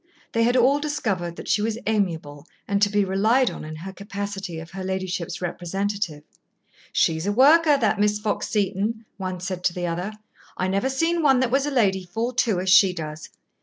They had all discovered that she was amiable and to be relied on in her capacity of her ladyship's representative. "She's a worker, that Miss Fox Seton," one said to the other. "I never seen one that was a lady fall to as she does.